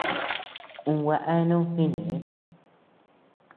Uu gua eanu jineʼe.